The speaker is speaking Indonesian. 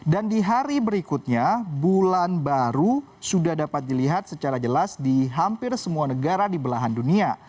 dan di hari berikutnya bulan baru sudah dapat dilihat secara jelas di hampir semua negara di belahan dunia